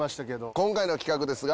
今回の企画ですが。